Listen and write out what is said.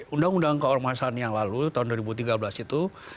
undang undang keormasan yang lalu tahun dua ribu tiga belas itu